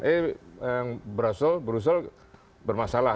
eh yang brussel bermasalah